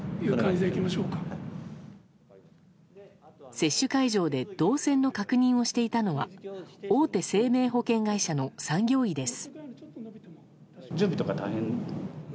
接種会場で動線の確認をしていたのは大手生命保険会社の産業医です。